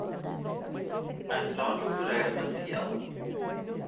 Antônio Pereira Maciel